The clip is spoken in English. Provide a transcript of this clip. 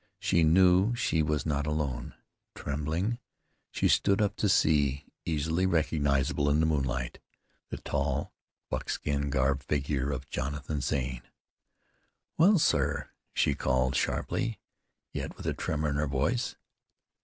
She knew she was not alone. Trembling, she stood up to see, easily recognizable in the moonlight, the tall buckskin garbed figure of Jonathan Zane. "Well, sir," she called, sharply, yet with a tremor in her voice.